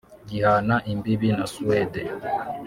gihana imbibi na Suède